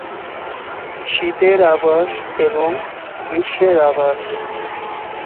শীতের আবাস এবং গ্রীষ্মের আবাস।